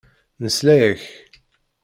Nesla-ak.